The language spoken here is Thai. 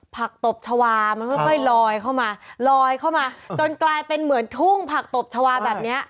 ผักตบชาวามันก็ไปลอยเข้ามาจนกลายเป็นเหมือนทุ่งผักตบชาวาแบบนี้